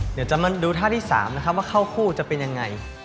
เดี๋ยวจะมาดูท่าที่๓นะครับว่าเข้าคู่จะเป็นยังไง